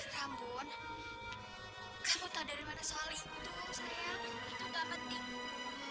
kamu tahu dari mana soalnya itu